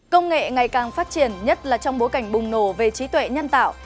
công nghệ ngày càng phát triển nhất là trong bối cảnh bùng nổ về trí tuệ nhân tạo